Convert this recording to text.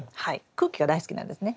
空気が大好きなんですね。